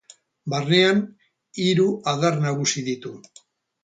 Barnean hiru adar nagusi ditu.